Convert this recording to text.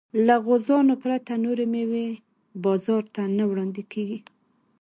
له غوزانو پرته نورې مېوې بازار ته نه وړاندې کېږي.